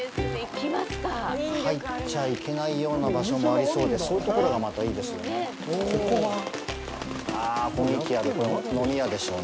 入っちゃいけないような場所もありそうで、そういうところが、またいいですよね。